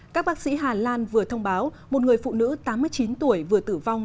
các bác sĩ hà lan vừa thông báo một người phụ nữ tám mươi chín tuổi vừa tử vong